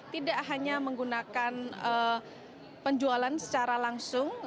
tidak hanya menggunakan penjualan secara langsung